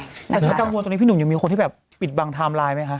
แต่ถ้ากังวลตรงนี้พี่หนุ่มยังมีคนที่แบบปิดบังไทม์ไลน์ไหมคะ